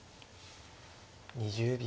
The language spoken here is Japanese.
２０秒。